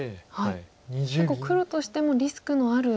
結構黒としてもリスクのある。